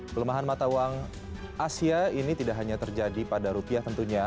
pelemahan mata uang asia ini tidak hanya terjadi pada rupiah tentunya